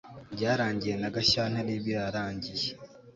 byarangiye, na gashyantare birarangiye